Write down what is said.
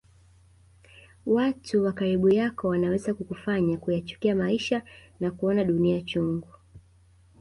Watu wa karibu yako wanaweza kukufanya kuyachukia maisha na kuona dunia chungu